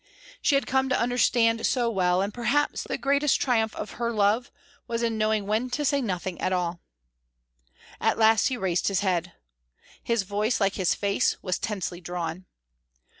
She had come to understand so well, and perhaps the greatest triumph of her love was in knowing when to say nothing at all. At last he raised his head. His voice, like his face, was tensely drawn.